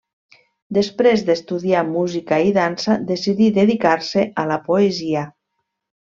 Després d'estudiar música i dansa, decidí dedicar-se a la poesia.